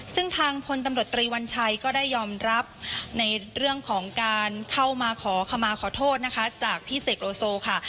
ซึ่งทางพลตำรวจตรีวัญชัยก็ได้ยอมรับในเรื่องของการเข้ามาขอขมาขอโทษนะคะจากพี่เสกโลโซค่ะ